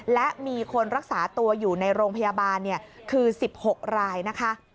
และมีคนรักษาตัวอยู่ในโรงพยาบาลคือ๑๖รายนะคะ